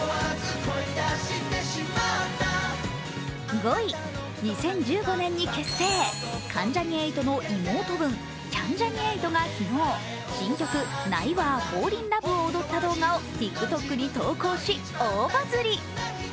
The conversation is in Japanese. ５位、２０１５年に結成、関ジャニ∞の妹分、キャンジャニ∞が昨日、新曲「ないわぁフォーリンラブ」を踊った動画をＴｉｋＴｏｋに投稿し、大バズり。